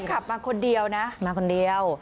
แล้วก็ขับมาคนเดียวนะมาคนเดียว